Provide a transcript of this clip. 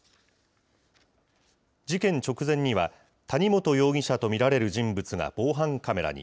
事件直前には、谷本容疑者と見られる人物が防犯カメラに。